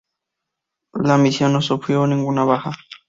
La misión no sufrió ninguna baja.